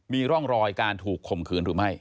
มีร่องรอยการถูกข่มขืนหรือไม่